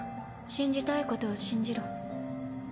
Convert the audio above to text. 信じたいことを信じろ。